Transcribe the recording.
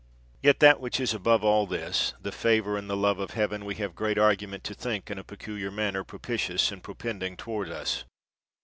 Yet that which is above all this, the favor and the love of Heaven, we have great argument to think in a peculiar manner propitious and pro pending toward us.